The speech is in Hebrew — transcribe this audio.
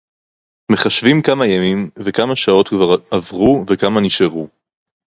מַחְשְׁבִים כַּמָּה יָמִים וְכַמָּה שָׁעוֹת כְּבָר עָבְרוּ וְכַמָּה נִשְׁאֲרוּ.